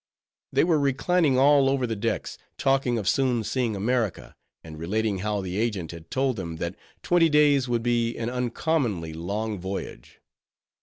They were reclining all over the decks, talking of soon seeing America, and relating how the agent had told them, that twenty days would be an uncommonly long voyage.